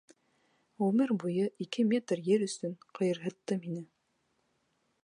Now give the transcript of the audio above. Ғүмер буйы ике метр ер өсөн ҡыйырһыттым һине.